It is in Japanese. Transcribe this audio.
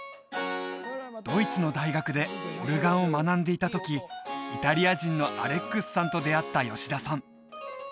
ドイツの大学でオルガンを学んでいた時イタリア人のアレックスさんと出会った吉田さん